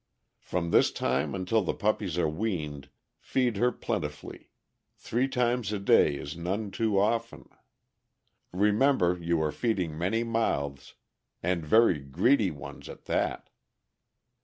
From this time until the puppies are weaned, feed her plentifully; three times a day is none too often. Remem ber you are feeding many mouths, and very greedy ones at that.